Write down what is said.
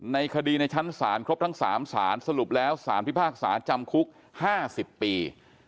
ในคดีในชั้นศาลครบทั้ง๓สารสรุปแล้วสารพิพากษาจำคุก๕๐ปี